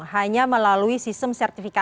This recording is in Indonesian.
hanya melalui sistem sertifikat